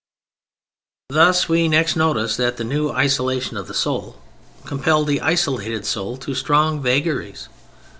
Thus, we next notice that the new isolation of the soul compelled the isolated soul to strong vagaries.